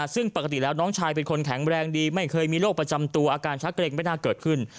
ซึ่งปกติแล้วน้องชายเป็นคนแข็งแรงดีไม่เคยมีโรคประจำตัวอาการชักเกรงไม่น่าเกิดขึ้น